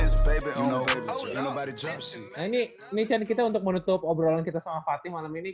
nah ini nitian kita untuk menutup obrolan kita sama fatih malam ini